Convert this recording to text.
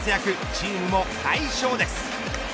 チームも快勝です。